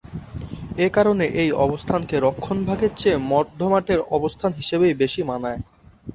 একারণে এই অবস্থানকে রক্ষণভাগের চেয়ে মধ্যমাঠের অবস্থান হিসেবেই বেশি মানায়।